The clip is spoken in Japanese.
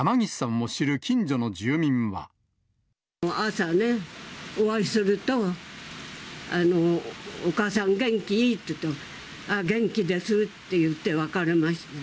朝ね、お会いすると、お母さん元気？って言って、ああ、元気ですっていって、別れました。